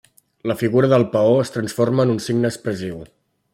La figura del paó es transforma en un signe expressiu.